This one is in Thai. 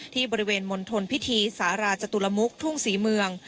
ที่บริเวณมณฑลพิธีสาราจตุลมุกทุ่งศรีเมือง